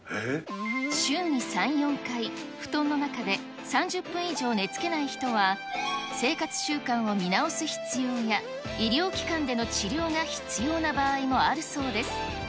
週に３、４回、布団の中で３０分以上寝つけない人は、生活習慣を見直す必要や、医療機関での治療が必要な場合もあるそうです。